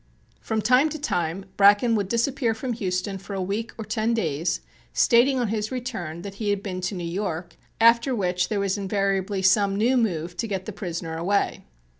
From time to time Bracken would disappear from Houston for a week or ten days, stating on his return that he had been to New York, after which there was invariably some new move to get the prisoner away.